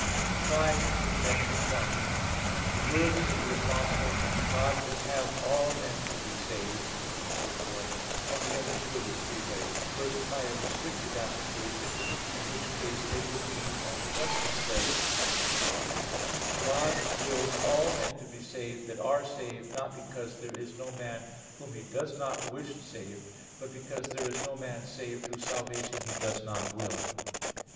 Reply Obj. 1: The words of the Apostle, "God will have all men to be saved," etc. can be understood in three ways. First, by a restricted application, in which case they would mean, as Augustine says (De praed. sanct. i, 8: Enchiridion 103), "God wills all men to be saved that are saved, not because there is no man whom He does not wish saved, but because there is no man saved whose salvation He does not will."